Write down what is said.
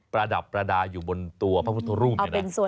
ประดับประดาอยู่บนตัวพระพุทธรูป